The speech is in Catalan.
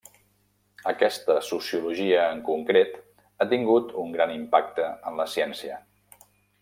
Aquesta sociologia en concret ha tingut un gran impacte en la ciència.